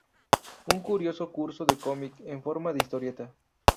Un curioso curso de cómic en forma de historieta.